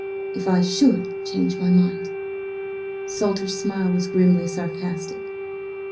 If I should change my mind." Salter's smile was grimly sarcastic.